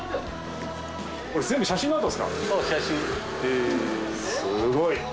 すごい。